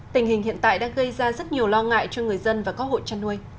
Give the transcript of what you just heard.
tình hình hiện tại đã gây ra rất nhiều lo ngại cho người dân và có hội chăn nuôi